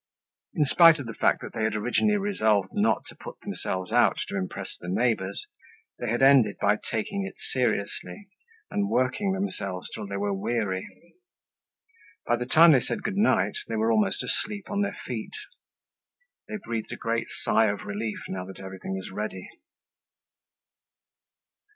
In spite of the fact that they had originally resolved not to put themselves out to impress the neighbors, they had ended by taking it seriously and working themselves till they were weary. By the time they said "Good night," they were almost asleep on their feet. They breathed a great sigh of relief now that everything was ready.